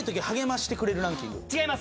違います。